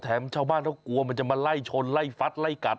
ชาวบ้านเขากลัวมันจะมาไล่ชนไล่ฟัดไล่กัด